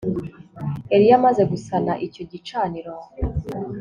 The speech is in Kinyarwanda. Eliya amze gusana icyo gicaniro